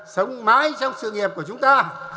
sống mãi trong sự nghiệp của chúng ta